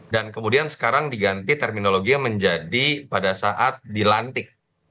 dan kemudian sekarang diganti terminologinya menjadi pada saat dilantik